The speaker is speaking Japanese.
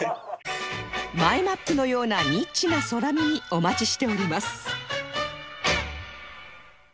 マイマップのようなニッチな空耳お待ちしております